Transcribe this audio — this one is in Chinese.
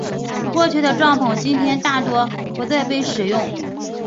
过去的帐篷今天大多不再被使用。